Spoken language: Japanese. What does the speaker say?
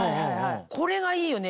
これがいいよね